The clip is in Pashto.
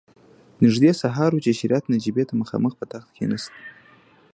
نژدې سهار و چې شريف نجيبې ته مخامخ په تخت کېناست.